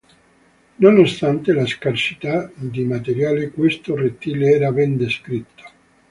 Nonostante la scarsità di materiale, questo rettile era ben descritto.